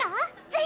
ぜひ！